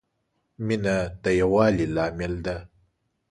مینه د یووالي لامل ده.